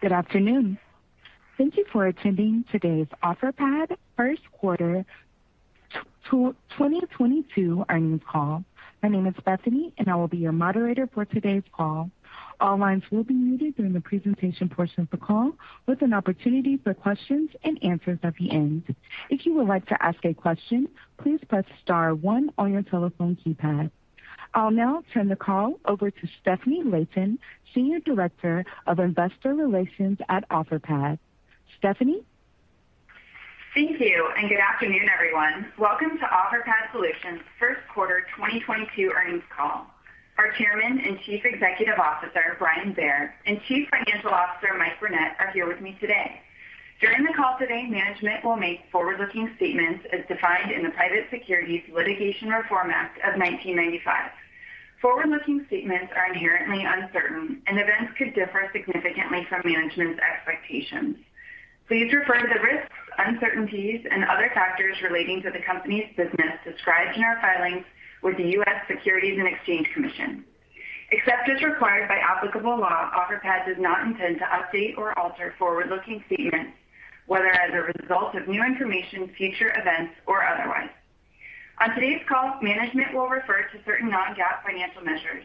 Good afternoon. Thank you for attending today's Offerpad first quarter 2022 earnings call. My name is Bethany, and I will be your moderator for today's call. All lines will be muted during the presentation portion of the call, with an opportunity for questions and answers at the end. If you would like to ask a question, please press star one on your telephone keypad. I'll now turn the call over to Stefanie Layton, Senior Director of Investor Relations at Offerpad. Stefanie? Thank you and good afternoon, everyone. Welcome to Offerpad Solutions first quarter 2022 earnings call. Our Chairman and Chief Executive Officer, Brian Bair, and Chief Financial Officer, Mike Burnett, are here with me today. During the call today, management will make forward-looking statements as defined in the Private Securities Litigation Reform Act of 1995. Forward-looking statements are inherently uncertain, and events could differ significantly from management's expectations. Please refer to the risks, uncertainties, and other factors relating to the company's business described in our filings with the U.S. Securities and Exchange Commission. Except as required by applicable law, Offerpad does not intend to update or alter forward-looking statements, whether as a result of new information, future events, or otherwise. On today's call, management will refer to certain non-GAAP financial measures.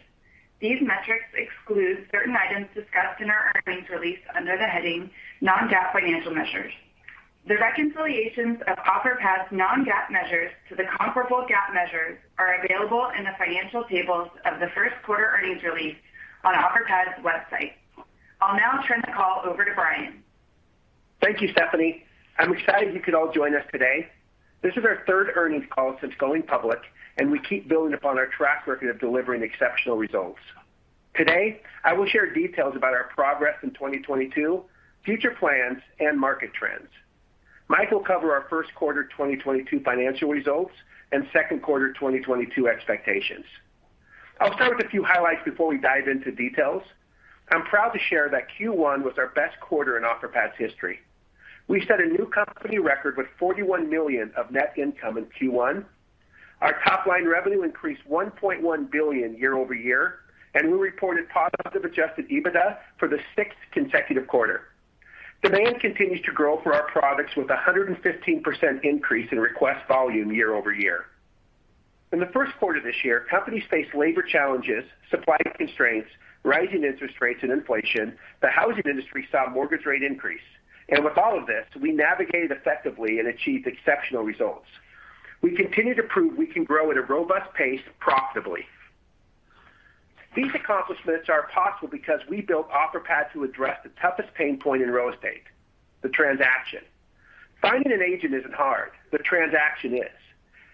These metrics exclude certain items discussed in our earnings release under the heading Non-GAAP Financial Measures. The reconciliations of Offerpad's non-GAAP measures to the comparable GAAP measures are available in the financial tables of the first quarter earnings release on Offerpad's website. I'll now turn the call over to Brian. Thank you, Stefanie. I'm excited you could all join us today. This is our third earnings call since going public, and we keep building upon our track record of delivering exceptional results. Today, I will share details about our progress in 2022, future plans, and market trends. Mike will cover our first quarter 2022 financial results and second quarter 2022 expectations. I'll start with a few highlights before we dive into details. I'm proud to share that Q1 was our best quarter in Offerpad's history. We set a new company record with $41 million of net income in Q1. Our top line revenue increased $1.1 billion year-over-year, and we reported positive adjusted EBITDA for the sixth consecutive quarter. Demand continues to grow for our products with a 115% increase in request volume year-over-year. In the first quarter this year, companies faced labor challenges, supply constraints, rising interest rates and inflation. The housing industry saw mortgage rates increase. With all of this, we navigated effectively and achieved exceptional results. We continue to prove we can grow at a robust pace profitably. These accomplishments are possible because we built Offerpad to address the toughest pain point in real estate, the transaction. Finding an agent isn't hard. The transaction is.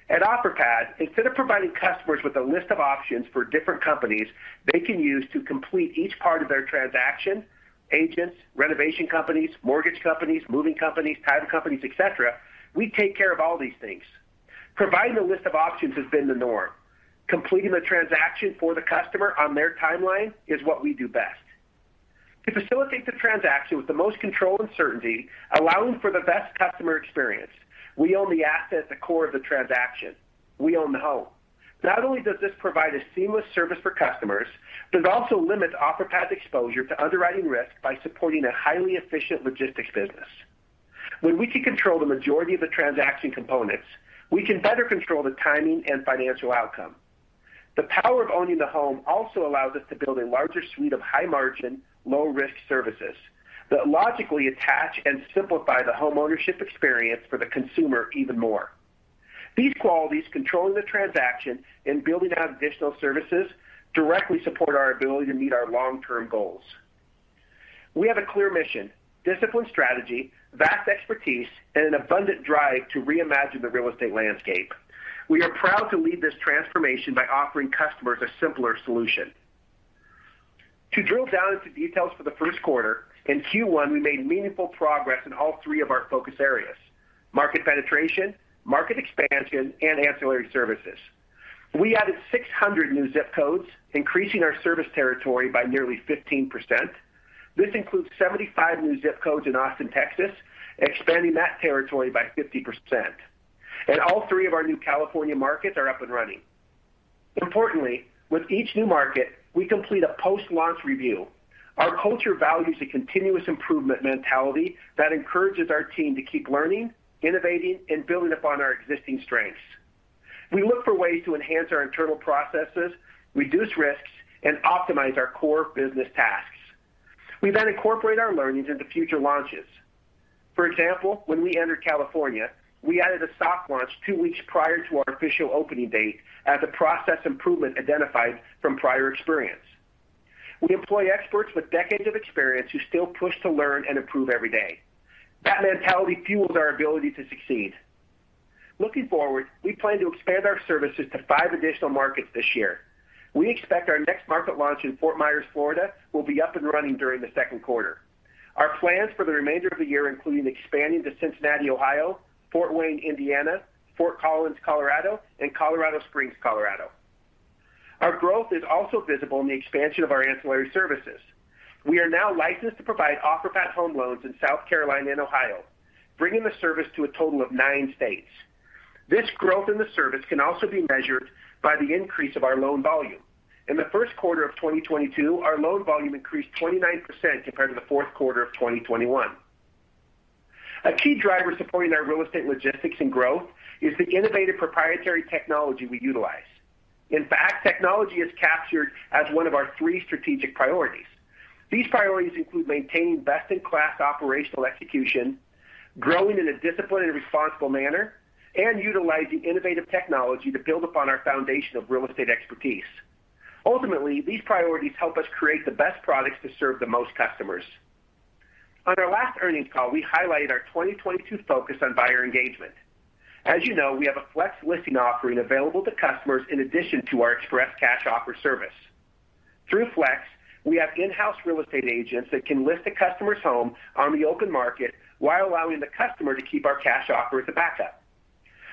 At Offerpad, instead of providing customers with a list of options for different companies they can use to complete each part of their transaction, agents, renovation companies, mortgage companies, moving companies, title companies, et cetera, we take care of all these things. Providing a list of options has been the norm. Completing the transaction for the customer on their timeline is what we do best. To facilitate the transaction with the most control and certainty, allowing for the best customer experience, we own the asset at the core of the transaction. We own the home. Not only does this provide a seamless service for customers, but it also limits Offerpad's exposure to underwriting risk by supporting a highly efficient logistics business. When we can control the majority of the transaction components, we can better control the timing and financial outcome. The power of owning the home also allows us to build a larger suite of high margin, low risk services that logically attach and simplify the homeownership experience for the consumer even more. These qualities, controlling the transaction and building out additional services, directly support our ability to meet our long-term goals. We have a clear mission, disciplined strategy, vast expertise, and an abundant drive to reimagine the real estate landscape. We are proud to lead this transformation by offering customers a simpler solution. To drill down into details for the first quarter, in Q1, we made meaningful progress in all three of our focus areas, market penetration, market expansion, and ancillary services. We added 600 new zip codes, increasing our service territory by nearly 15%. This includes 75 new zip codes in Austin, Texas, expanding that territory by 50%. All three of our new California markets are up and running. Importantly, with each new market, we complete a post-launch review. Our culture values a continuous improvement mentality that encourages our team to keep learning, innovating, and building upon our existing strengths. We look for ways to enhance our internal processes, reduce risks, and optimize our core business tasks. We then incorporate our learnings into future launches. For example, when we entered California, we added a soft launch two weeks prior to our official opening date as a process improvement identified from prior experience. We employ experts with decades of experience who still push to learn and improve every day. That mentality fuels our ability to succeed. Looking forward, we plan to expand our services to five additional markets this year. We expect our next market launch in Fort Myers, Florida, will be up and running during the second quarter. Our plans for the remainder of the year include expanding to Cincinnati, Ohio, Fort Wayne, Indiana, Fort Collins, Colorado, and Colorado Springs, Colorado. Our growth is also visible in the expansion of our ancillary services. We are now licensed to provide Offerpad Home Loans in South Carolina and Ohio, bringing the service to a total of nine states. This growth in the service can also be measured by the increase of our loan volume. In the first quarter of 2022, our loan volume increased 29% compared to the fourth quarter of 2021. A key driver supporting our real estate logistics and growth is the innovative proprietary technology we utilize. In fact, technology is captured as one of our three strategic priorities. These priorities include maintaining best-in-class operational execution, growing in a disciplined and responsible manner, and utilizing innovative technology to build upon our foundation of real estate expertise. Ultimately, these priorities help us create the best products to serve the most customers. On our last earnings call, we highlighted our 2022 focus on buyer engagement. As you know, we have a Flex listing offering available to customers in addition to our Express Cash Offer service. Through Flex, we have in-house real estate agents that can list a customer's home on the open market while allowing the customer to keep our cash offer as a backup.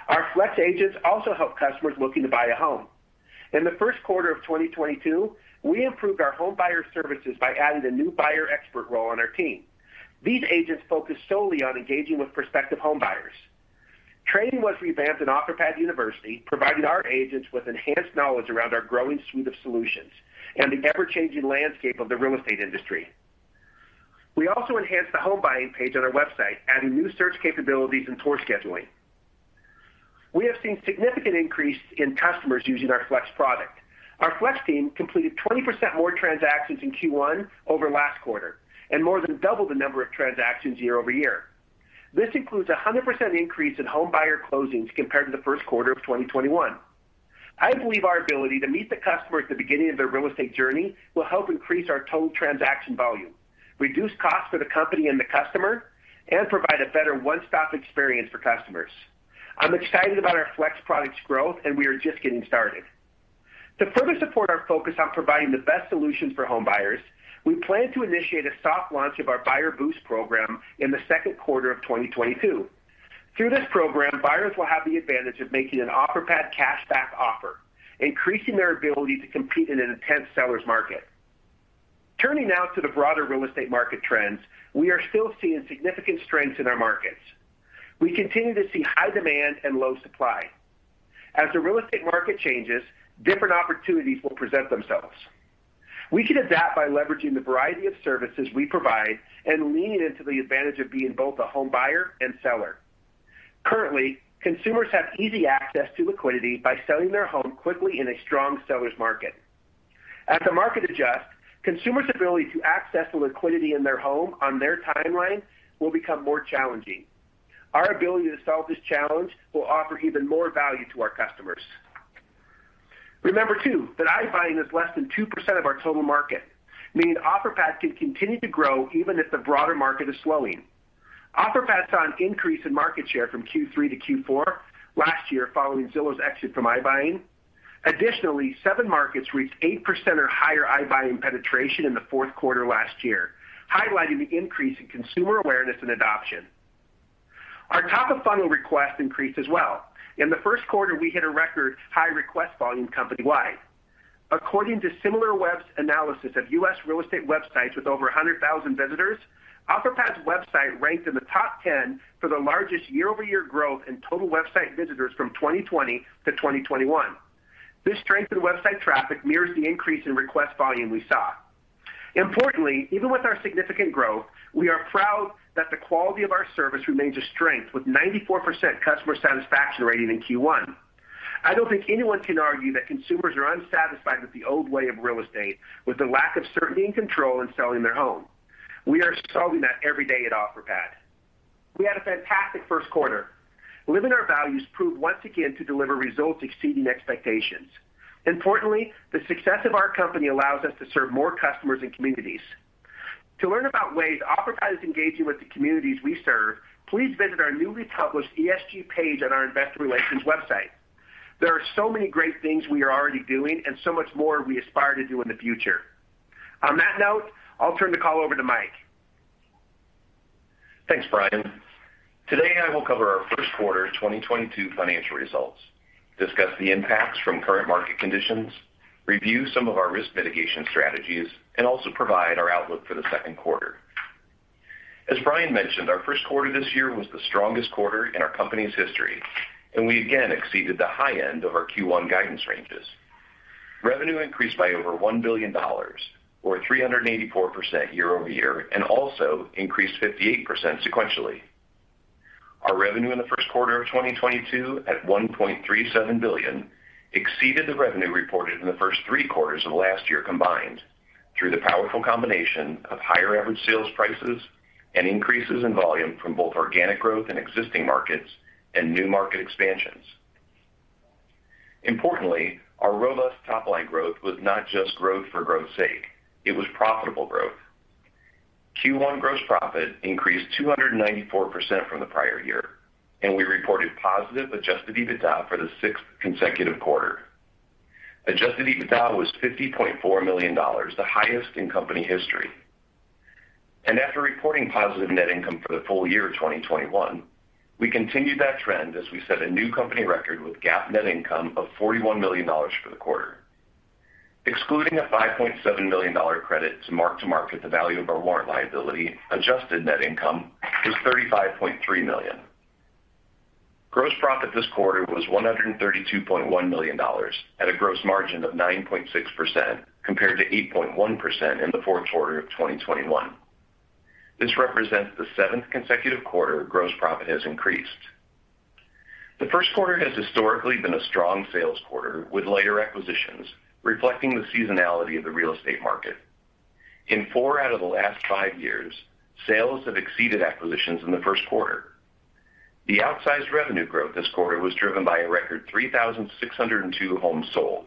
Our Flex agents also help customers looking to buy a home. In the first quarter of 2022, we improved our home buyer services by adding a new buyer expert role on our team. These agents focus solely on engaging with prospective home buyers. Training was revamped in Offerpad University, providing our agents with enhanced knowledge around our growing suite of solutions and the ever-changing landscape of the real estate industry. We also enhanced the home buying page on our website, adding new search capabilities and tour scheduling. We have seen significant increase in customers using our Flex product. Our Flex team completed 20% more transactions in Q1 over last quarter, and more than doubled the number of transactions year-over-year. This includes a 100% increase in home buyer closings compared to the first quarter of 2021. I believe our ability to meet the customer at the beginning of their real estate journey will help increase our total transaction volume, reduce costs for the company and the customer, and provide a better one-stop experience for customers. I'm excited about our Flex product's growth, and we are just getting started. To further support our focus on providing the best solutions for home buyers, we plan to initiate a soft launch of our Buyer Boost program in the second quarter of 2022. Through this program, buyers will have the advantage of making an Offerpad cash back offer, increasing their ability to compete in an intense seller's market. Turning now to the broader real estate market trends, we are still seeing significant strengths in our markets. We continue to see high demand and low supply. As the real estate market changes, different opportunities will present themselves. We can adapt by leveraging the variety of services we provide and leaning into the advantage of being both a home buyer and seller. Currently, consumers have easy access to liquidity by selling their home quickly in a strong seller's market. As the market adjusts, consumers' ability to access the liquidity in their home on their timeline will become more challenging. Our ability to solve this challenge will offer even more value to our customers. Remember too, that iBuying is less than 2% of our total market, meaning Offerpad can continue to grow even if the broader market is slowing. Offerpad saw an increase in market share from Q3 to Q4 last year following Zillow's exit from iBuying. Additionally, seven markets reached 8% or higher iBuying penetration in the fourth quarter last year, highlighting the increase in consumer awareness and adoption. Our top-of-funnel requests increased as well. In the first quarter, we hit a record high request volume company-wide. According to Similarweb's analysis of U.S. real estate websites with over 100,000 visitors, Offerpad's website ranked in the top 10 for the largest year-over-year growth in total website visitors from 2020 to 2021. This strength in website traffic mirrors the increase in request volume we saw. Importantly, even with our significant growth, we are proud that the quality of our service remains a strength, with 94% customer satisfaction rating in Q1. I don't think anyone can argue that consumers are unsatisfied with the old way of real estate, with the lack of certainty and control in selling their home. We are solving that every day at Offerpad. We had a fantastic first quarter. Living our values proved once again to deliver results exceeding expectations. Importantly, the success of our company allows us to serve more customers and communities. To learn about ways Offerpad is engaging with the communities we serve, please visit our newly published ESG page on our investor relations website. There are so many great things we are already doing and so much more we aspire to do in the future. On that note, I'll turn the call over to Mike. Thanks, Brian. Today, I will cover our first quarter 2022 financial results, discuss the impacts from current market conditions, review some of our risk mitigation strategies, and also provide our outlook for the second quarter. As Brian mentioned, our first quarter this year was the strongest quarter in our company's history, and we again exceeded the high end of our Q1 guidance ranges. Revenue increased by over $1 billion or 384% year over year, and also increased 58% sequentially. Our revenue in the first quarter of 2022 at $1.37 billion exceeded the revenue reported in the first three quarters of last year combined through the powerful combination of higher average sales prices and increases in volume from both organic growth in existing markets and new market expansions. Importantly, our robust top-line growth was not just growth for growth's sake, it was profitable growth. Q1 gross profit increased 294% from the prior year, and we reported positive adjusted EBITDA for the sixth consecutive quarter. Adjusted EBITDA was $50.4 million, the highest in company history. After reporting positive net income for the full year 2021, we continued that trend as we set a new company record with GAAP net income of $41 million for the quarter. Excluding a $5.7 million dollar credit to mark-to-market the value of our warrant liability, adjusted net income was $35.3 million. Gross profit this quarter was $132.1 million at a gross margin of 9.6% compared to 8.1% in the fourth quarter of 2021. This represents the seventh consecutive quarter gross profit has increased. The first quarter has historically been a strong sales quarter with lighter acquisitions, reflecting the seasonality of the real estate market. In four out of the last five years, sales have exceeded acquisitions in the first quarter. The outsized revenue growth this quarter was driven by a record 3,602 homes sold.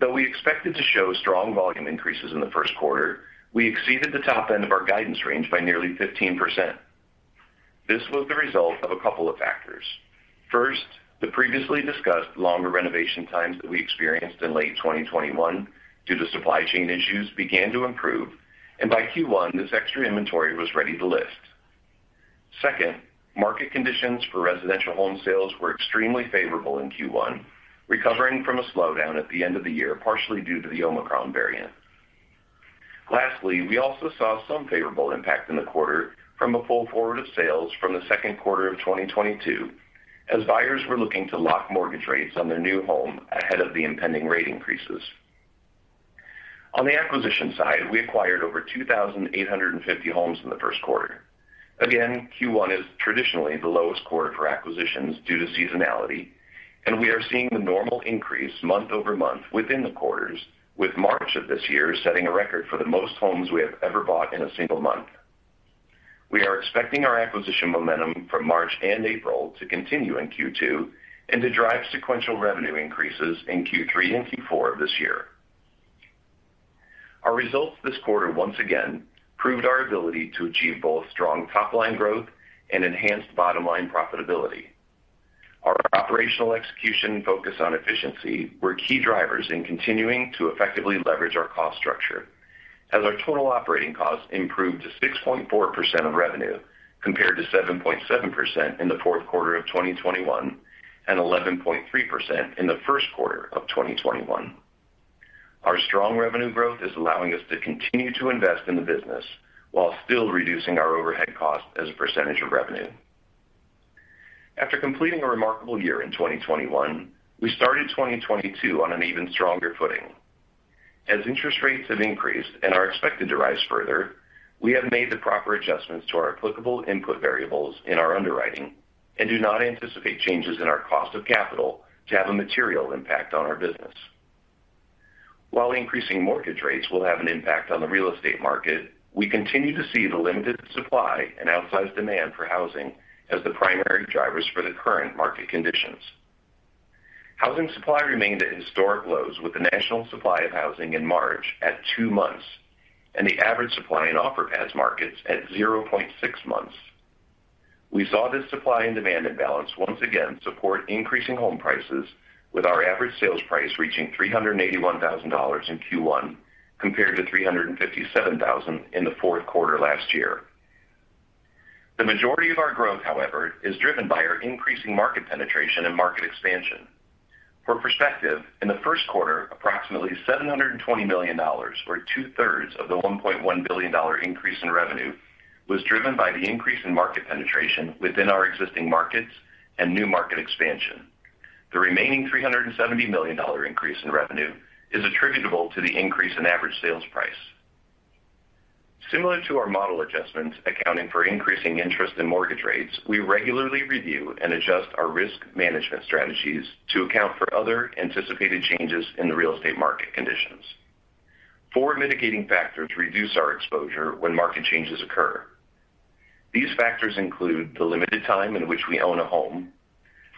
Though we expected to show strong volume increases in the first quarter, we exceeded the top end of our guidance range by nearly 15%. This was the result of a couple of factors. First, the previously discussed longer renovation times that we experienced in late 2021 due to supply chain issues began to improve, and by Q1, this extra inventory was ready to list. Second, market conditions for residential home sales were extremely favorable in Q1, recovering from a slowdown at the end of the year, partially due to the Omicron variant. Lastly, we also saw some favorable impact in the quarter from a pull forward of sales from the second quarter of 2022 as buyers were looking to lock mortgage rates on their new home ahead of the impending rate increases. On the acquisition side, we acquired over 2,850 homes in the first quarter. Again, Q1 is traditionally the lowest quarter for acquisitions due to seasonality, and we are seeing the normal increase month-over-month within the quarters, with March of this year setting a record for the most homes we have ever bought in a single month. We are expecting our acquisition momentum from March and April to continue in Q2 and to drive sequential revenue increases in Q3 and Q4 of this year. Our results this quarter once again proved our ability to achieve both strong top-line growth and enhanced bottom-line profitability. Our operational execution focus on efficiency were key drivers in continuing to effectively leverage our cost structure as our total operating cost improved to 6.4% of revenue compared to 7.7% in the fourth quarter of 2021 and 11.3% in the first quarter of 2021. Our strong revenue growth is allowing us to continue to invest in the business while still reducing our overhead cost as a percentage of revenue. After completing a remarkable year in 2021, we started 2022 on an even stronger footing. As interest rates have increased and are expected to rise further, we have made the proper adjustments to our applicable input variables in our underwriting and do not anticipate changes in our cost of capital to have a material impact on our business. While increasing mortgage rates will have an impact on the real estate market, we continue to see the limited supply and outsized demand for housing as the primary drivers for the current market conditions. Housing supply remained at historic lows with the national supply of housing in March at two months and the average supply in Offerpad's markets at 0.6 months. We saw this supply and demand imbalance once again support increasing home prices with our average sales price reaching $381,000 in Q1 compared to $357,000 in the fourth quarter last year. The majority of our growth, however, is driven by our increasing market penetration and market expansion. For perspective, in the first quarter, approximately $720 million or 2/3 of the $1.1 billion increase in revenue was driven by the increase in market penetration within our existing markets and new market expansion. The remaining $370 million increase in revenue is attributable to the increase in average sales price. Similar to our model adjustments accounting for increasing interest in mortgage rates, we regularly review and adjust our risk management strategies to account for other anticipated changes in the real estate market conditions. Four mitigating factors reduce our exposure when market changes occur. These factors include the limited time in which we own a home,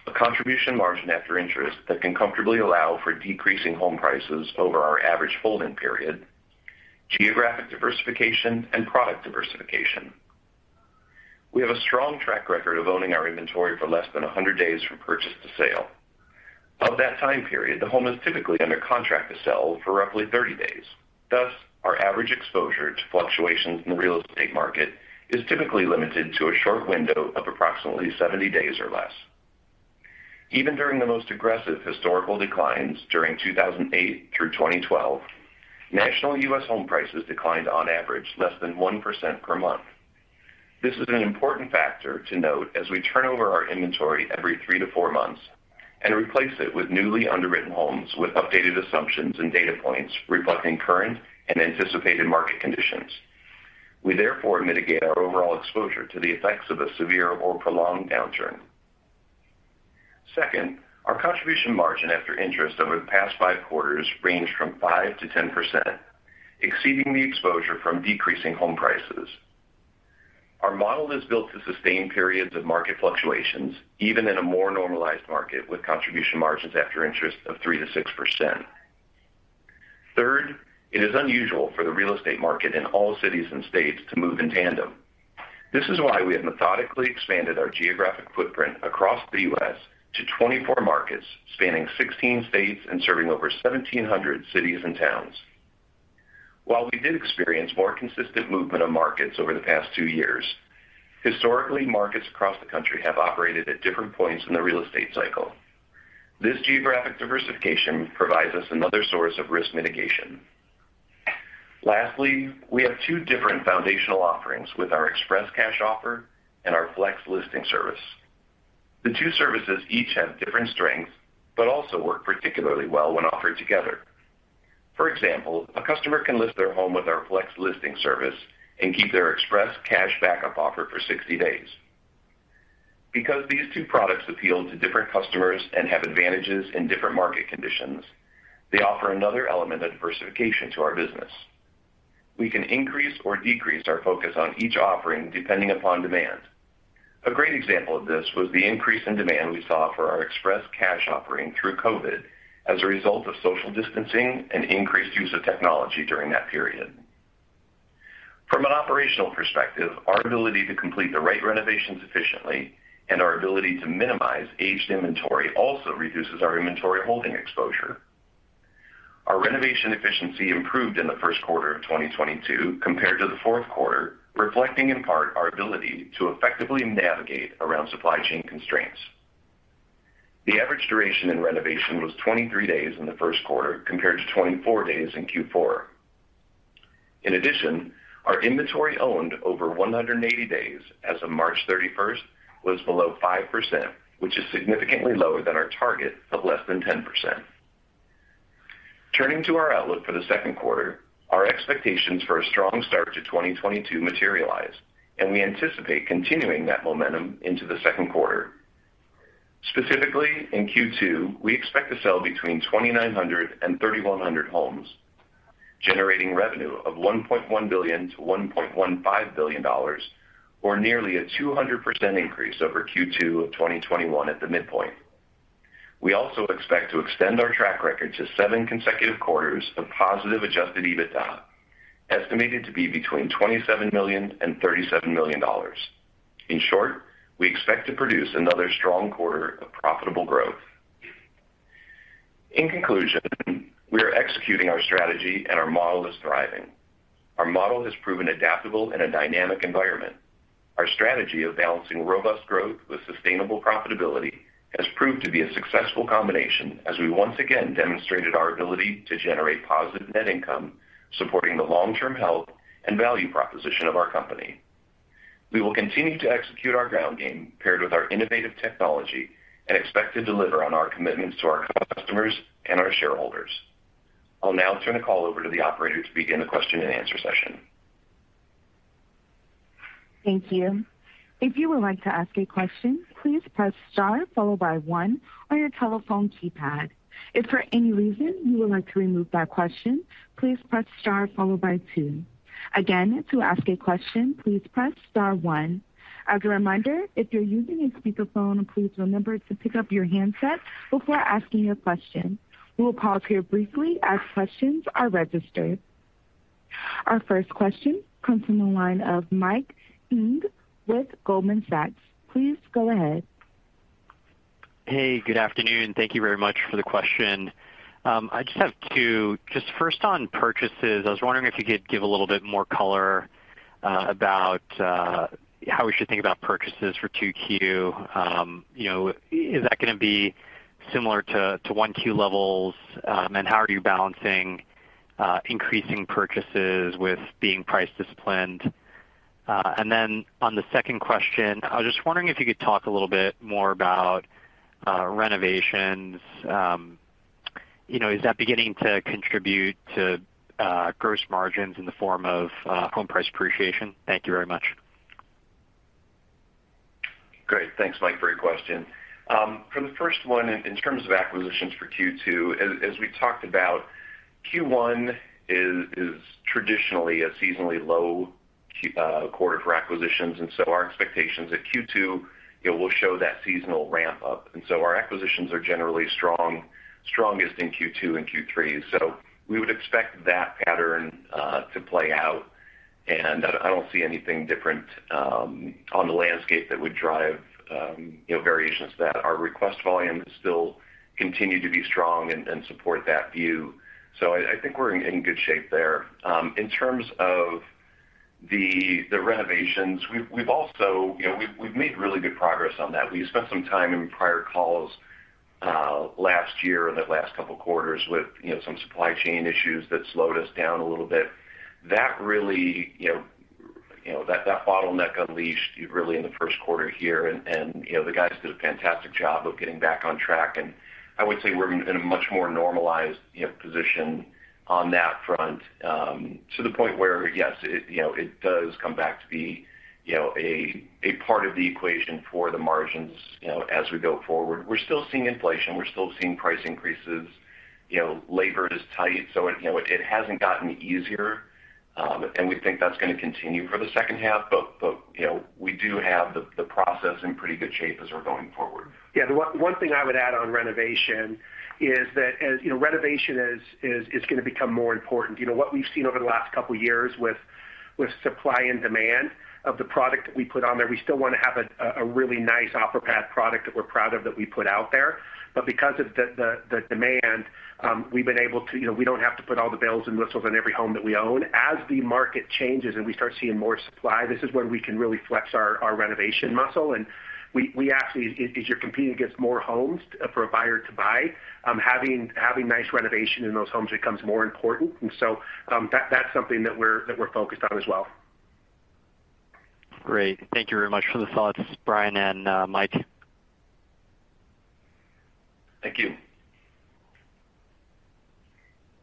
a contribution margin after interest that can comfortably allow for decreasing home prices over our average holding period, geographic diversification, and product diversification. We have a strong track record of owning our inventory for less than 100 days from purchase to sale. Of that time period, the home is typically under contract to sell for roughly 30 days. Thus, our average exposure to fluctuations in the real estate market is typically limited to a short window of approximately 70 days or less. Even during the most aggressive historical declines during 2008 through 2012, national U.S. home prices declined on average less than 1% per month. This is an important factor to note as we turn over our inventory every three to four months and replace it with newly underwritten homes with updated assumptions and data points reflecting current and anticipated market conditions. We therefore mitigate our overall exposure to the effects of a severe or prolonged downturn. Second, our contribution margin after interest over the past five quarters ranged from 5%-10%, exceeding the exposure from decreasing home prices. Our model is built to sustain periods of market fluctuations, even in a more normalized market with contribution margins after interest of 3%-6%. Third, it is unusual for the real estate market in all cities and states to move in tandem. This is why we have methodically expanded our geographic footprint across the U.S. to 24 markets spanning 16 states and serving over 1,700 cities and towns. While we did experience more consistent movement of markets over the past two years, historically, markets across the country have operated at different points in the real estate cycle. This geographic diversification provides us another source of risk mitigation. Lastly, we have two different foundational offerings with our Express Cash Offer and our Flex Listing Service. The two services each have different strengths, but also work particularly well when offered together. For example, a customer can list their home with our Flex Listing Service and keep their Express Cash backup offer for 60 days. Because these two products appeal to different customers and have advantages in different market conditions, they offer another element of diversification to our business. We can increase or decrease our focus on each offering depending upon demand. A great example of this was the increase in demand we saw for our Express Cash Offer through COVID as a result of social distancing and increased use of technology during that period. From an operational perspective, our ability to complete the right renovations efficiently and our ability to minimize aged inventory also reduces our inventory holding exposure. Our renovation efficiency improved in the first quarter of 2022 compared to the fourth quarter, reflecting in part our ability to effectively navigate around supply chain constraints. The average duration in renovation was 23 days in the first quarter compared to 24 days in Q4. In addition, our inventory owned over 180 days as of March 31st was below 5%, which is significantly lower than our target of less than 10%. Turning to our outlook for the second quarter, our expectations for a strong start to 2022 materialize, and we anticipate continuing that momentum into the second quarter. Specifically, in Q2, we expect to sell between 2,900 and 3,100 homes, generating revenue of $1.1 billion-$1.15 billion, or nearly a 200% increase over Q2 of 2021 at the midpoint. We also expect to extend our track record to 7 consecutive quarters of positive adjusted EBITDA, estimated to be between $27 million and $37 million. In short, we expect to produce another strong quarter of profitable growth. In conclusion, we are executing our strategy and our model is thriving. Our model has proven adaptable in a dynamic environment. Our strategy of balancing robust growth with sustainable profitability has proved to be a successful combination as we once again demonstrated our ability to generate positive net income, supporting the long-term health and value proposition of our company. We will continue to execute our ground game paired with our innovative technology and expect to deliver on our commitments to our customers and our shareholders. I'll now turn the call over to the operator to begin the question and answer session. Thank you. If you would like to ask a question, please press star followed by one on your telephone keypad. If for any reason you would like to remove that question, please press star followed by two. Again, to ask a question, please press star one. As a reminder, if you're using a speakerphone, please remember to pick up your handset before asking your question. We will pause here briefly as questions are registered. Our first question comes from the line of Michael Ng with Goldman Sachs. Please go ahead. Hey, good afternoon. Thank you very much for the question. I just have two. Just first on purchases, I was wondering if you could give a little bit more color about how we should think about purchases for 2Q. You know, is that gonna be similar to 1Q levels? How are you balancing increasing purchases with being price disciplined? On the second question, I was just wondering if you could talk a little bit more about renovations. You know, is that beginning to contribute to gross margins in the form of home price appreciation? Thank you very much. Great. Thanks, Mike, for your question. For the first one, in terms of acquisitions for Q2, as we talked about, Q1 is traditionally a seasonally low quarter for acquisitions, and our expectations for Q2, you know, will show that seasonal ramp up. Our acquisitions are generally strong, strongest in Q2 and Q3. We would expect that pattern to play out, and I don't see anything different on the landscape that would drive, you know, variations to that. Our request volume still continue to be strong and support that view. I think we're in good shape there. In terms of the renovations, we've made really good progress on that. We spent some time in prior calls last year and the last couple quarters with, you know, some supply chain issues that slowed us down a little bit. That really, you know, that bottleneck unleashed really in the first quarter here and you know, the guys did a fantastic job of getting back on track. I would say we're in a much more normalized, you know, position on that front to the point where, yes, it you know does come back to be you know a part of the equation for the margins, you know, as we go forward. We're still seeing inflation. We're still seeing price increases. You know, labor is tight, so it you know hasn't gotten easier. We think that's gonna continue for the second half, but you know, we do have the process in pretty good shape as we're going forward. Yeah. The one thing I would add on renovation is that you know, renovation is gonna become more important. You know, what we've seen over the last couple years with supply and demand of the product that we put on there, we still wanna have a really nice Offerpad product that we're proud of that we put out there. But because of the demand, we've been able to. You know, we don't have to put all the bells and whistles in every home that we own. As the market changes and we start seeing more supply, this is where we can really flex our renovation muscle. We actually as you're competing against more homes for a buyer to buy, having nice renovation in those homes becomes more important. That's something that we're focused on as well. Great. Thank you very much for the thoughts, Brian and Mike. Thank you.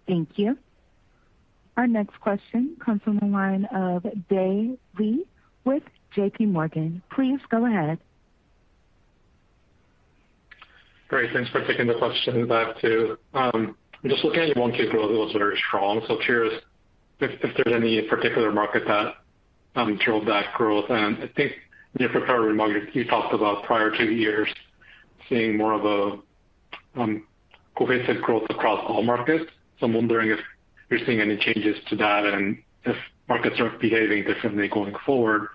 Thank you. Our next question comes from the line of Dae Lee with JPMorgan. Please go ahead. Great. Thanks for taking the question. Glad to. Just looking at your 1Q growth, it was very strong. Curious if there's any particular market that drove that growth. I think in your prepared remarks, you talked about prior two years seeing more of a cohesive growth across all markets. I'm wondering if you're seeing any changes to that and if markets are behaving differently going forward.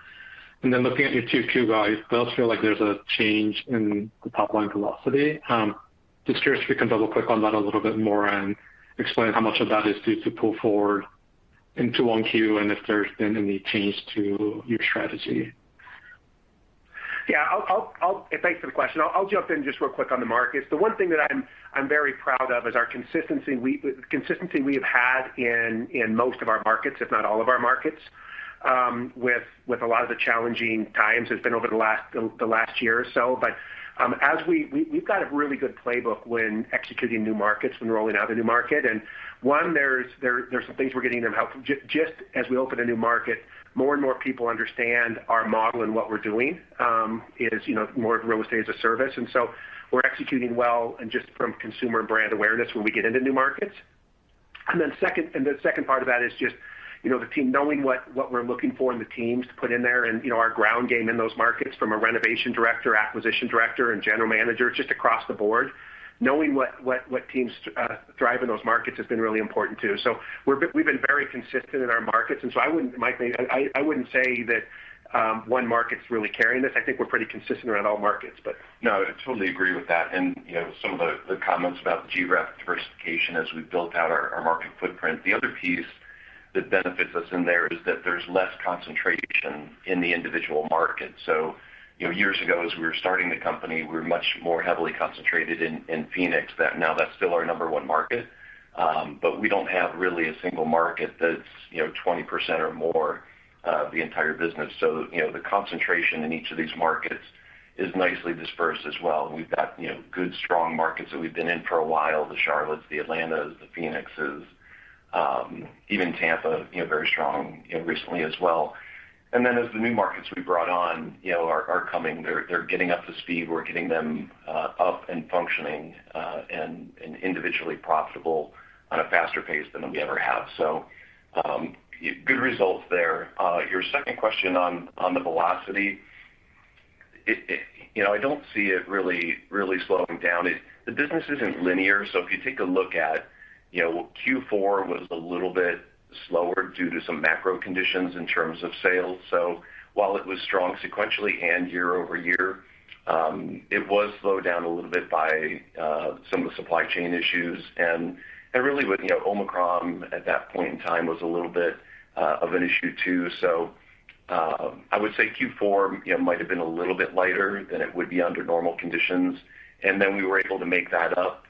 Then looking at your 2Q guide, it does feel like there's a change in the top line velocity. Just curious if you can double-click on that a little bit more and explain how much of that is due to pull forward into 1Q and if there's been any change to your strategy. Yeah. Thanks for the question. I'll jump in just real quick on the markets. The one thing that I'm very proud of is our consistency we have had in most of our markets, if not all of our markets, with a lot of the challenging times has been over the last year or so. As we've got a really good playbook when executing new markets, when rolling out a new market. One, there's some things we're getting them help. Just as we open a new market, more and more people understand our model and what we're doing is you know more real estate as a service. We're executing well and just from consumer brand awareness when we get into new markets. Second, and the second part of that is just, you know, the team knowing what we're looking for in the teams to put in there and, you know, our ground game in those markets from a renovation director, acquisition director and general manager, just across the board. Knowing what teams drive in those markets has been really important too. We've been very consistent in our markets, and I wouldn't say that, Mike, one market's really carrying this. I think we're pretty consistent around all markets, but. No, I totally agree with that. You know, some of the comments about the geographic diversification as we built out our market footprint. The other piece that benefits us in there is that there's less concentration in the individual market. You know, years ago, as we were starting the company, we were much more heavily concentrated in Phoenix. That now that's still our number one market, but we don't have really a single market that's, you know, 20% or more of the entire business. You know, the concentration in each of these markets is nicely dispersed as well. We've got, you know, good, strong markets that we've been in for a while, the Charlottes, the Atlantas, the Phoenixes, even Tampa, you know, very strong, you know, recently as well. As the new markets we brought on, you know, are coming, they're getting up to speed. We're getting them up and functioning and individually profitable on a faster pace than we ever have. Good results there. Your second question on the velocity. You know, I don't see it really slowing down. The business isn't linear, so if you take a look at, you know, Q4 was a little bit slower due to some macro conditions in terms of sales. So while it was strong sequentially and year-over-year, it was slowed down a little bit by some of the supply chain issues. Really with, you know, Omicron at that point in time was a little bit of an issue too. I would say Q4, you know, might have been a little bit lighter than it would be under normal conditions. We were able to make that up,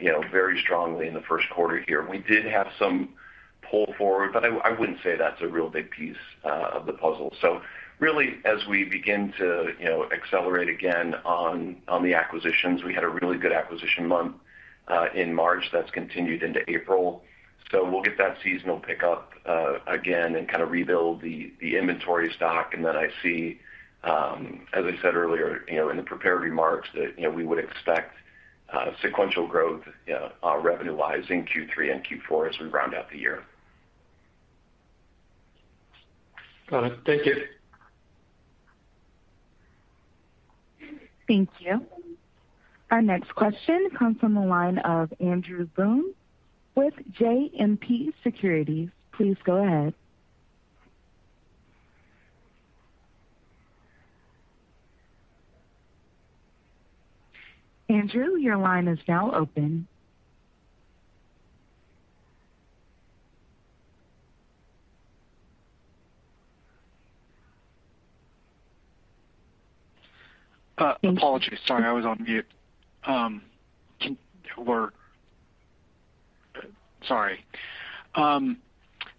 you know, very strongly in the first quarter here. We did have some pull forward, but I wouldn't say that's a real big piece of the puzzle. Really, as we begin to, you know, accelerate again on the acquisitions, we had a really good acquisition month in March. That's continued into April. We'll get that seasonal pickup again and kind of rebuild the inventory stock. I see, as I said earlier, you know, in the prepared remarks that, you know, we would expect sequential growth, you know, revenue-wise in Q3 and Q4 as we round out the year. Got it. Thank you. Thank you. Our next question comes from the line of Andrew Boone with JMP Securities. Please go ahead. Andrew, your line is now open. Apologies. Sorry, I was on mute.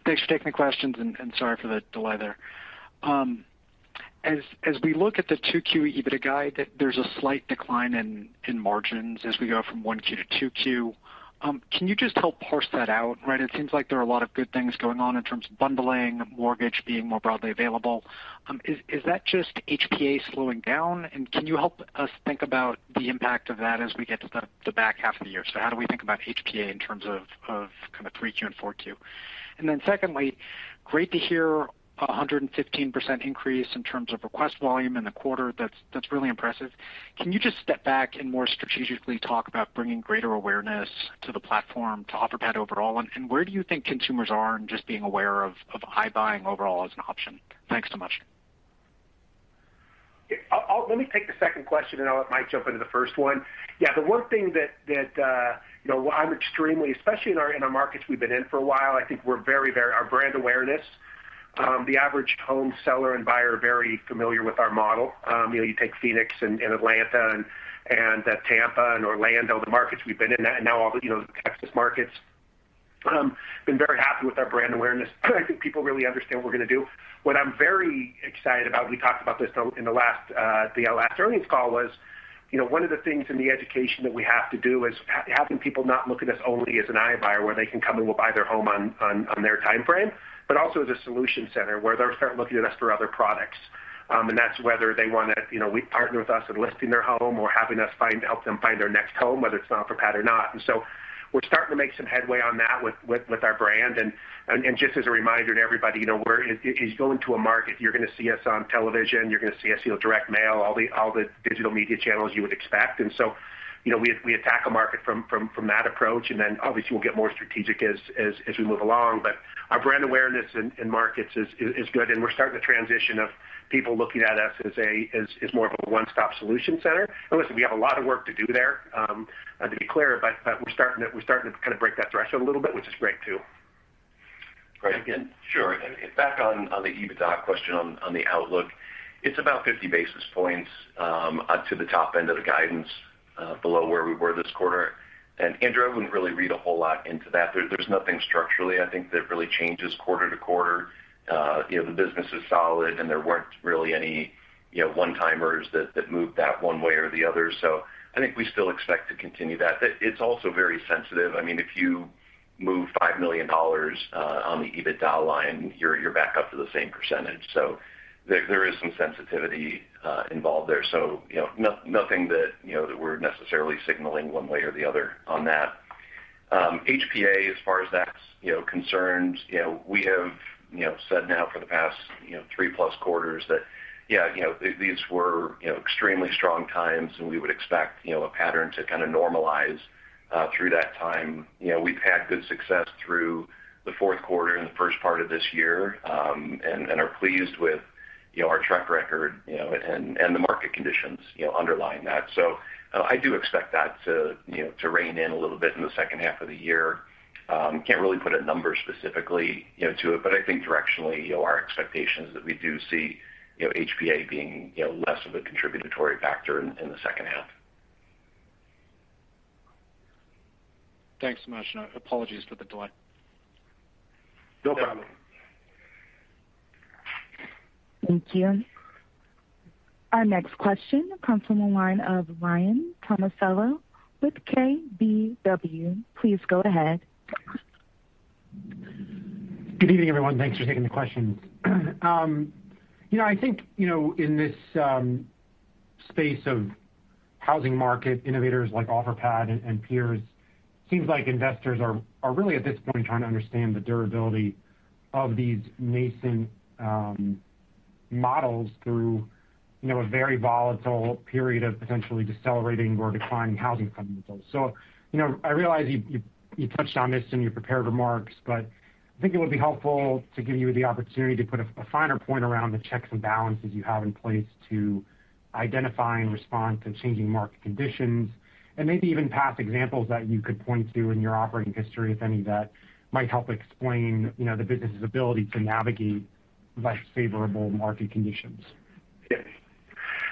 Thanks for taking the questions, and sorry for the delay there. As we look at the 2Q EBITDA guide, that there's a slight decline in margins as we go from 1Q to 2Q. Can you just help parse that out? Right. It seems like there are a lot of good things going on in terms of bundling, mortgage being more broadly available. Is that just HPA slowing down? And can you help us think about the impact of that as we get to the back half of the year? How do we think about HPA in terms of kind of 3Q and 4Q? And then secondly. Great to hear 115% increase in terms of request volume in the quarter. That's really impressive. Can you just step back and more strategically talk about bringing greater awareness to the platform to Offerpad overall? Where do you think consumers are in just being aware of iBuying overall as an option? Thanks so much. Yeah. Let me take the second question, and I'll let Mike jump into the first one. Yeah. The one thing that you know, I'm extremely, especially in our markets we've been in for a while, I think we're very. Our brand awareness, the average home seller and buyer are very familiar with our model. You know, you take Phoenix and Atlanta and Tampa and Orlando, the markets we've been in, and now all the, you know, the Texas markets, been very happy with our brand awareness. I think people really understand what we're gonna do. What I'm very excited about, we talked about this though in the last, the last earnings call, was, you know, one of the things in the education that we have to do is having people not look at us only as an iBuyer where they can come, and we'll buy their home on their timeframe, but also as a solution center where they'll start looking at us for other products. That's whether they wanna, you know, partner with us in listing their home or having us help them find their next home, whether it's an Offerpad or not. We're starting to make some headway on that with our brand. Just as a reminder to everybody, you know, if you go into a market, you're gonna see us on television, you're gonna see us, you know, direct mail, all the digital media channels you would expect. You know, we attack a market from that approach. Obviously we'll get more strategic as we move along. Our brand awareness in markets is good, and we're starting the transition of people looking at us as more of a one-stop solution center. Listen, we have a lot of work to do there, to be clear, but we're starting to kind of break that threshold a little bit, which is great too. Greg, again? Sure. Back on the EBITDA question on the outlook. It's about 50 basis points to the top end of the guidance below where we were this quarter. Andrew, I wouldn't really read a whole lot into that. There's nothing structurally, I think, that really changes quarter to quarter. You know, the business is solid, and there weren't really any, you know, one-timers that moved that one way or the other. I think we still expect to continue that. It's also very sensitive. I mean, if you move $5 million on the EBITDA line, you're back up to the same percentage. There is some sensitivity involved there. You know, nothing that we're necessarily signaling one way or the other on that. HPA, as far as that's concerns, you know, we have, you know, said now for the past, you know, three-plus quarters that, yeah, you know, these were, you know, extremely strong times, and we would expect, you know, a pattern to kinda normalize through that time. You know, we've had good success through the fourth quarter and the first part of this year, and are pleased with, you know, our track record, you know, and the market conditions, you know, underlying that. I do expect that to, you know, to rein in a little bit in the second half of the year. Can't really put a number specifically, you know, to it, but I think directionally, you know, our expectation is that we do see, you know, HPA being, you know, less of a contributory factor in the second half. Thanks so much. Apologies for the delay. No problem. Thank you. Our next question comes from the line of Ryan Tomasello with KBW. Please go ahead. Good evening, everyone. Thanks for taking the questions. You know, I think, you know, in this space of housing market innovators like Offerpad and peers, seems like investors are really at this point trying to understand the durability of these nascent models through, you know, a very volatile period of potentially decelerating or declining housing fundamentals. You know, I realize you touched on this in your prepared remarks, but I think it would be helpful to give you the opportunity to put a finer point around the checks and balances you have in place to identify and respond to changing market conditions, and maybe even past examples that you could point to in your operating history, if any, that might help explain, you know, the business's ability to navigate less favorable market conditions. Yeah.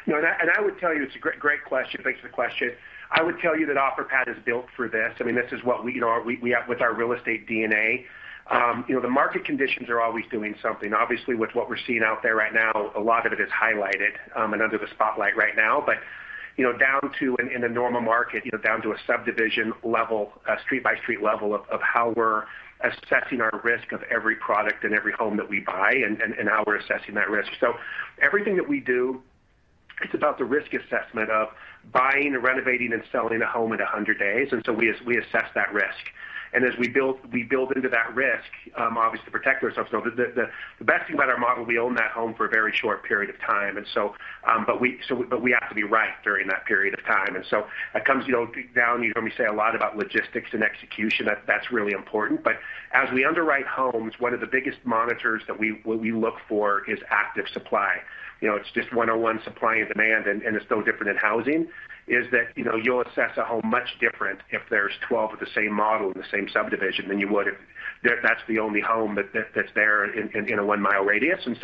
No. I would tell you it's a great question. Thanks for the question. I would tell you that Offerpad is built for this. I mean, this is what we, you know, have with our real estate DNA. You know, the market conditions are always doing something. Obviously, with what we're seeing out there right now, a lot of it is highlighted and under the spotlight right now. You know, down to, in a normal market, you know, down to a subdivision level, street by street level of how we're assessing our risk of every product and every home that we buy and how we're assessing that risk. Everything that we do, it's about the risk assessment of buying, renovating, and selling a home in 100 days. We assess that risk. As we build into that risk, obviously to protect ourselves. The best thing about our model, we own that home for a very short period of time. But we have to be right during that period of time. That comes, you know, down. You've heard me say a lot about logistics and execution. That's really important. As we underwrite homes, one of the biggest monitors that we look for is active supply. You know, it's just 101 supply and demand, and it's no different in housing, is that? You know, you'll assess a home much different if there's 12 of the same model in the same subdivision than you would if that's the only home that's there in a 1-mile radius. That's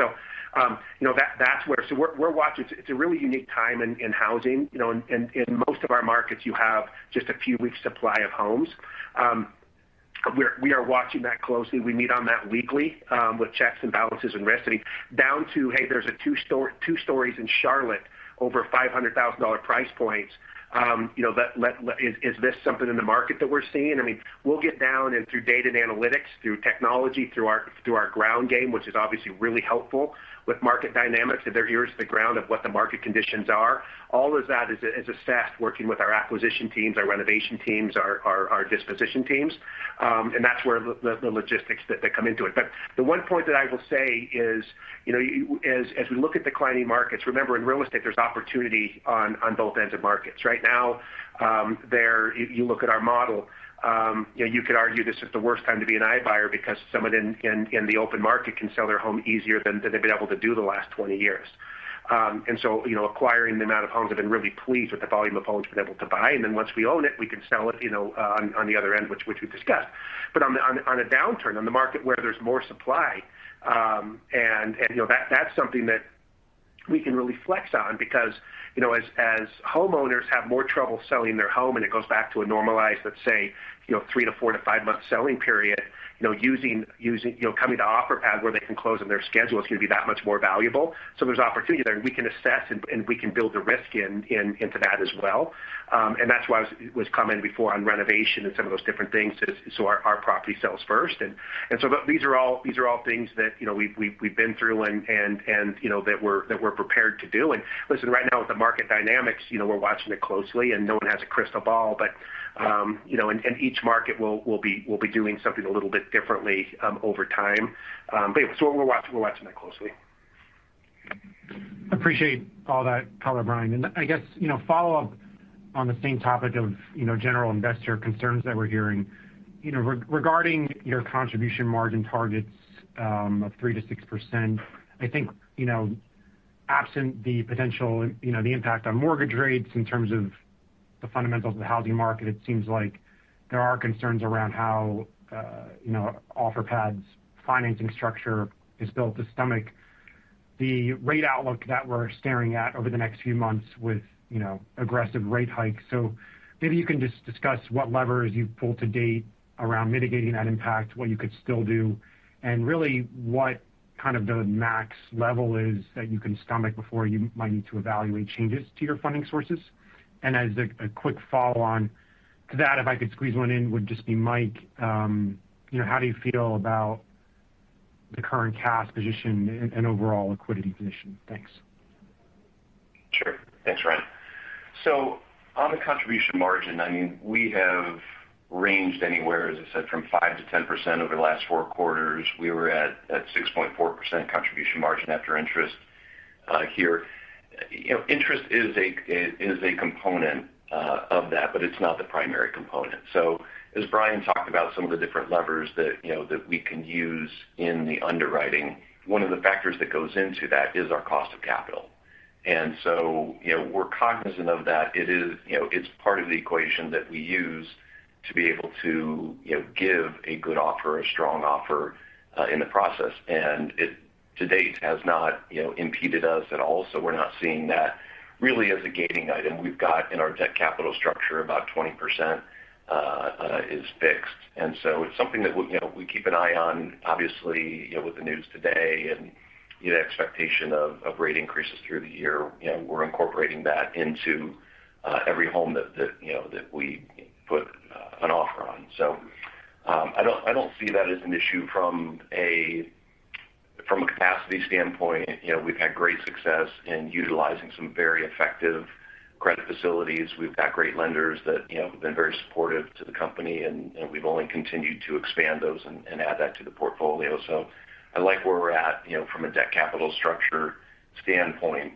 where we're watching. It's a really unique time in housing. You know, in most of our markets, you have just a few weeks supply of homes. We are watching that closely. We meet on that weekly with checks and balances and risk, down to, hey, there's two stories in Charlotte over $500,000 price points. You know, is this something in the market that we're seeing? I mean, we'll get down and through data and analytics, through technology, through our ground game, which is obviously really helpful with market dynamics, so their ear is to the ground of what the market conditions are. All of that is assessed working with our acquisition teams, our renovation teams, our disposition teams. That's where the logistics that come into it. The one point that I will say is, you know, as we look at declining markets, remember, in real estate, there's opportunity on both ends of markets. Right now, if you look at our model, you know, you could argue this is the worst time to be an iBuyer because someone in the open market can sell their home easier than they've been able to do the last 20 years. You know, acquiring the amount of homes, we've been really pleased with the volume of homes we've been able to buy. Then once we own it, we can sell it, you know, on the other end, which we've discussed. On a downturn in the market where there's more supply, and you know, that's something that we can really flex on because, you know, as homeowners have more trouble selling their home, and it goes back to a normalized, let's say, you know, three to four to five month selling period, you know, coming to Offerpad where they can close on their schedule is going to be that much more valuable. There's opportunity there, and we can assess, and we can build the risk into that as well. That's why I was commenting before on renovation and some of those different things so our property sells first. These are all things that, you know, we've been through and you know that we're prepared to do. Listen, right now with the market dynamics, you know, we're watching it closely, and no one has a crystal ball. You know, and each market will be doing something a little bit differently over time. We're watching that closely. Appreciate all that color, Brian. I guess, you know, follow-up on the same topic of, you know, general investor concerns that we're hearing. You know, regarding your contribution margin targets of 3%-6%, I think, you know, absent the potential, you know, the impact on mortgage rates in terms of the fundamentals of the housing market, it seems like there are concerns around how, you know, Offerpad's financing structure is built to stomach the rate outlook that we're staring at over the next few months with, you know, aggressive rate hikes. Maybe you can just discuss what levers you've pulled to date around mitigating that impact, what you could still do, and really what kind of the max level is that you can stomach before you might need to evaluate changes to your funding sources. As a quick follow-on to that, if I could squeeze one in, would just be Mike. You know, how do you feel about the current cash position and overall liquidity position? Thanks. Sure. Thanks, Ryan. On the contribution margin, I mean, we have ranged anywhere, as I said, from 5%-10% over the last four quarters. We were at six point four percent contribution margin after interest here. You know, interest is a component of that, but it's not the primary component. As Brian talked about some of the different levers that, you know, that we can use in the underwriting, one of the factors that goes into that is our cost of capital. You know, we're cognizant of that. It is, you know, it's part of the equation that we use to be able to, you know, give a good offer, a strong offer in the process. And it, to date, has not, you know, impeded us at all. We're not seeing that really as a gating item. We've got in our debt capital structure, about 20%, is fixed. It's something that we, you know, we keep an eye on. Obviously, you know, with the news today and the expectation of rate increases through the year, you know, we're incorporating that into every home that you know that we put an offer on. I don't see that as an issue from a capacity standpoint. You know, we've had great success in utilizing some very effective credit facilities. We've got great lenders that, you know, have been very supportive to the company, and, you know, we've only continued to expand those and add that to the portfolio. I like where we're at, you know, from a debt capital structure standpoint.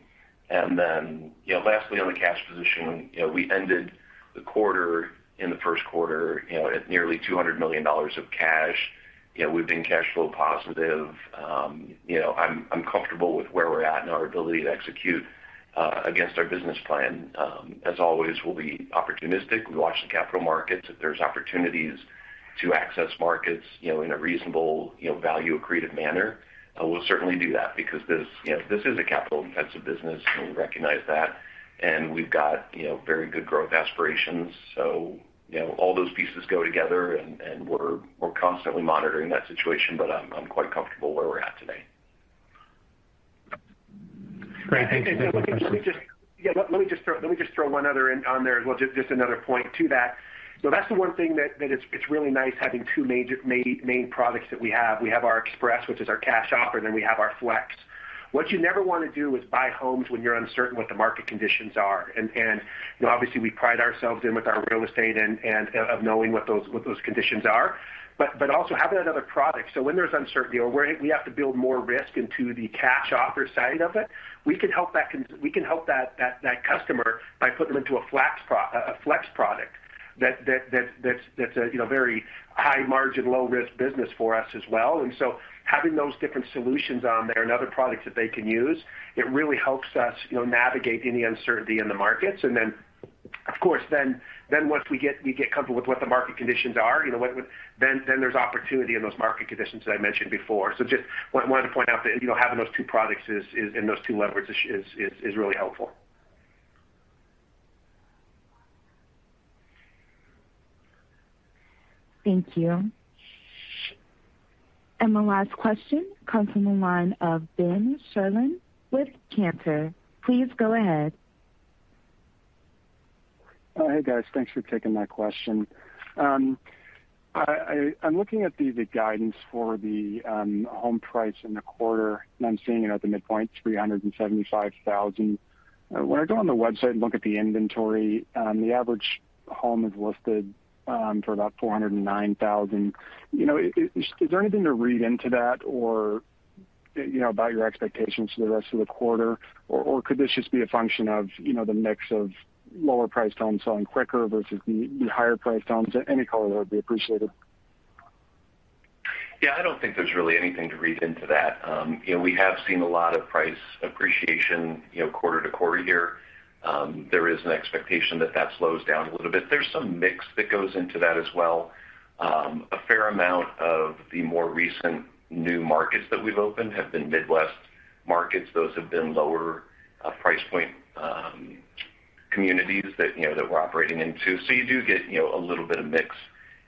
Then, you know, lastly, on the cash position, you know, we ended the quarter in the first quarter, you know, at nearly $200 million of cash. You know, we've been cash flow positive. You know, I'm comfortable with where we're at and our ability to execute against our business plan. As always, we'll be opportunistic. We watch the capital markets. If there's opportunities to access markets, you know, in a reasonable, you know, value accretive manner, we'll certainly do that because this, you know, this is a capital-intensive business, and we recognize that. We've got, you know, very good growth aspirations. You know, all those pieces go together, and we're constantly monitoring that situation, but I'm quite comfortable where we're at today. Great. Thank you. Let me just throw one other in on there as well, just another point to that. That's the one thing that it's really nice having two major products that we have. We have our Express, which is our cash offer, and then we have our Flex. What you never want to do is buy homes when you're uncertain what the market conditions are. You know, obviously, we pride ourselves in with our real estate and of knowing what those conditions are, but also having that other product. When there's uncertainty or we have to build more risk into the cash offer side of it, we can help that customer by putting them into a Flex product that's a, you know, very high margin, low-risk business for us as well. Having those different solutions on there and other products that they can use, it really helps us, you know, navigate any uncertainty in the markets. Of course, once we get comfortable with what the market conditions are, you know, then there's opportunity in those market conditions that I mentioned before. Just wanted to point out that, you know, having those two products is and those two levers is really helpful. Thank you. The last question comes from the line of Brett Knoblauch with Cantor. Please go ahead. Oh, hey, guys, thanks for taking my question. I'm looking at the guidance for the home price in the quarter, and I'm seeing it at the midpoint, $375,000. When I go on the website and look at the inventory, the average home is listed for about $409,000. You know, is there anything to read into that or you know, about your expectations for the rest of the quarter. Or could this just be a function of you know, the mix of lower priced homes selling quicker versus the higher priced homes? Any color would be appreciated. Yeah. I don't think there's really anything to read into that. You know, we have seen a lot of price appreciation, you know, quarter to quarter here. There is an expectation that that slows down a little bit. There's some mix that goes into that as well. A fair amount of the more recent new markets that we've opened have been Midwest markets. Those have been lower price point communities that, you know, that we're operating into. So you do get, you know, a little bit of mix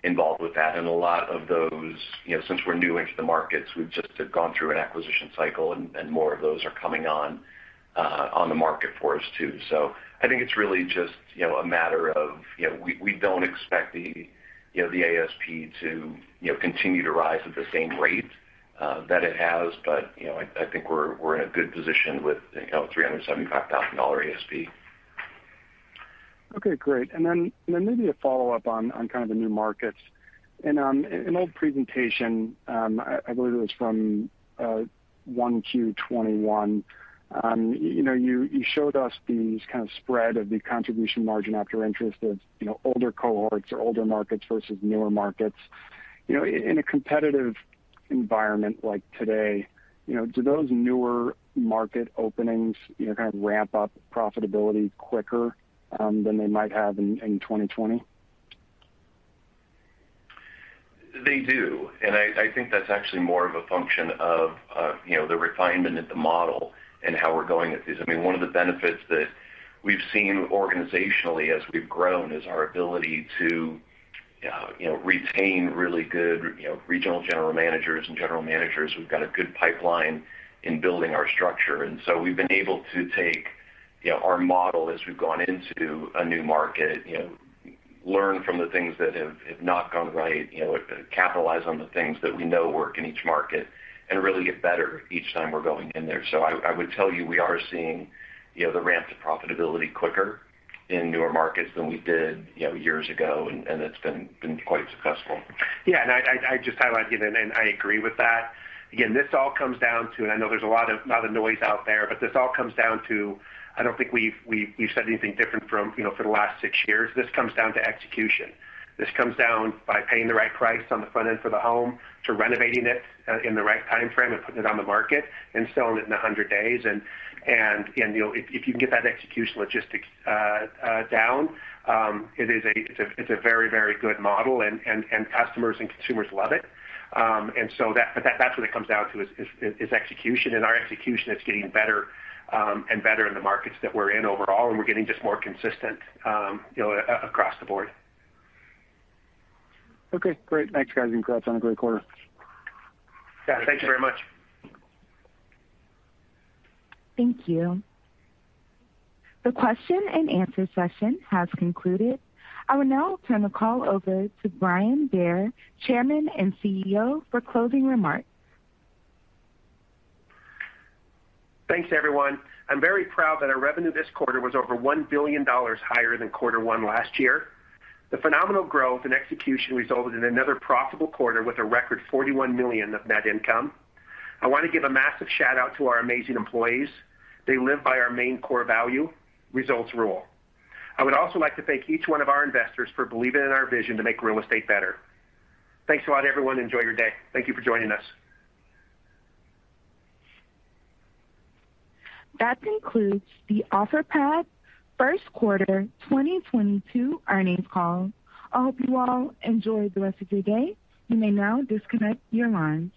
involved with that. A lot of those, you know, since we're new into the markets, we just have gone through an acquisition cycle and more of those are coming on the market for us too. So I think it's really just, you know, a matter of. You know, we don't expect the ASP to continue to rise at the same rate that it has. You know, I think we're in a good position with $375,000 ASP. Okay, great. Maybe a follow-up on kind of the new markets. An old presentation, I believe it was from 1Q 2021. You know, you showed us these kind of spread of the contribution margin after interest of, you know, older cohorts or older markets versus newer markets. You know, in a competitive environment like today, you know, do those newer market openings, you know, kind of ramp up profitability quicker than they might have in 2020? They do. I think that's actually more of a function of, you know, the refinement of the model and how we're going at this. I mean, one of the benefits that we've seen organizationally as we've grown is our ability to, you know, retain really good, you know, regional general managers and general managers. We've got a good pipeline in building our structure. We've been able to take, you know, our model as we've gone into a new market, you know, learn from the things that have not gone right, you know, capitalize on the things that we know work in each market and really get better each time we're going in there. I would tell you, we are seeing, you know, the ramp to profitability quicker in newer markets than we did, you know, years ago. It's been quite successful. Yeah. I just highlight, you know, I agree with that. Again, this all comes down to, I know there's a lot of noise out there, but this all comes down to. I don't think we've said anything different from, you know, for the last six years. This comes down to execution. This comes down by paying the right price on the front end for the home, to renovating it in the right timeframe and putting it on the market and selling it in 100 days. You know, if you can get that execution logistics down, it is a it's a very, very good model and customers and consumers love it. But that's what it comes down to is execution. Our execution is getting better and better in the markets that we're in overall, and we're getting just more consistent, you know, across the board. Okay, great. Thanks, guys, and congrats on a great quarter. Yeah. Thank you very much. Thank you. The question and answer session has concluded. I will now turn the call over to Brian Bair, Chairman and CEO, for closing remarks. Thanks, everyone. I'm very proud that our revenue this quarter was over $1 billion higher than quarter one last year. The phenomenal growth and execution resulted in another profitable quarter with a record $41 million of net income. I wanna give a massive shout-out to our amazing employees. They live by our main core value, results rule. I would also like to thank each one of our investors for believing in our vision to make real estate better. Thanks a lot, everyone. Enjoy your day. Thank you for joining us. That concludes the Offerpad first quarter 2022 earnings call. I hope you all enjoy the rest of your day. You may now disconnect your line.